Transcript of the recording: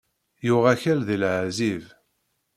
Yuɣ akal di laεzib